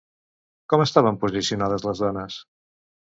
Com estaven posicionades les dones?